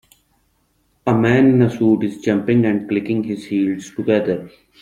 A man in a suit is jumping and clicking his heels together.